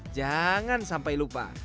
jangan sampai lupa